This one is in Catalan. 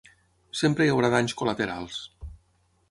Sempre hi haurà danys col·laterals.